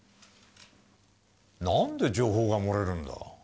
なんで情報が漏れるんだ。